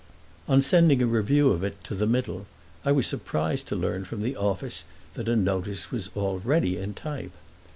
On sending a review of it to The Middle I was surprised to learn from the office that a notice was already in type.